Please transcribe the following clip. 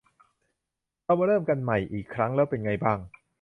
เรามาเริ่มกันใหม่อีกครั้งแล้วเป็นไงบ้าง ?